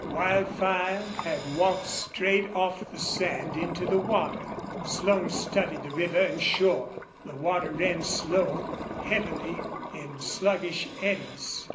Wildfire had walked straight off the sand into the water. Slone studied the river and shore. The water ran slow, heavily, in sluggish eddies.